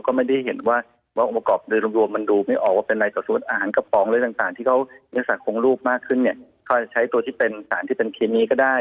เขาก็จะใช้ตัวที่เป็นสารที่เป็นคลิมีก็ได้